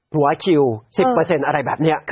หัวคิว๑๐อะไรแบบนี้